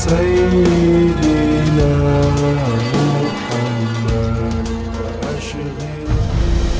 amatlah menyembah ya allah